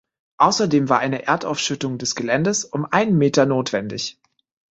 Außerdem war eine Erdaufschüttung des Geländes um einen Meter notwendig.